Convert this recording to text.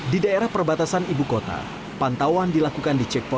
di daerah perbatasan ibu kota pantauan dilakukan di cek pos